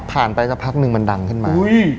ไปสักพักนึงมันดังขึ้นมา